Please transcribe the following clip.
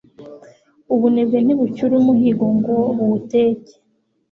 ubunebwe ntibucyura umuhigo ngo buwuteke